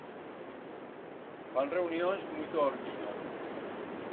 Fan reunions muito a ormino